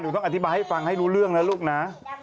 ต้องอธิบายให้ฟังให้รู้เรื่องนะลูกนะ